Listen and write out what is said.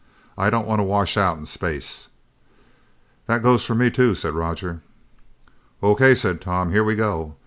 I don't want to wash out in space!" "That goes for me, too," said Roger. "O.K.," said Tom. "Here we go.